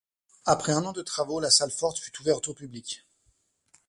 Après un an de travaux, la salle forte fut ouverte au public.